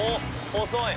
細い！